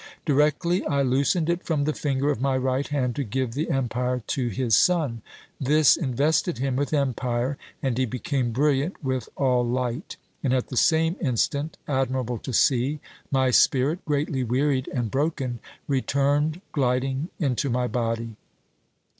Directly I loosened it from the finger of my right hand to give the empire to his son. This invested him with empire, and he became brilliant with all light; and at the same instant, admirable to see, my spirit, greatly wearied and broken, returned gliding into my body.